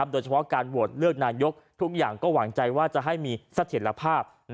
โดยเฉพาะการโหวตเลือกนายกทุกอย่างก็หวังใจว่าจะให้มีเสถียรภาพ